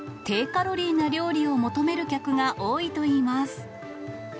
低カロリーな料理を求める客が多いといいます。